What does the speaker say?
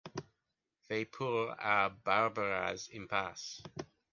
Vapeur à Barberaz impasse